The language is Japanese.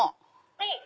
はい。